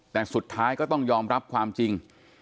แต่สุดท้ายก็ต้องยอมรับความจริง